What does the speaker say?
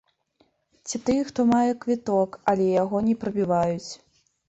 Ці тыя, хто мае квіток, але яго не прабіваюць.